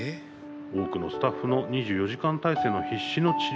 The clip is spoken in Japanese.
多くのスタッフの２４時間体制の必死の治療に感謝。